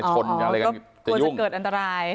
กลัวจะเกิดอันตราย